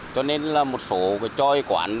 cho nên một số tròi quản